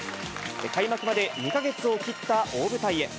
開幕まで２か月を切った大舞台へ。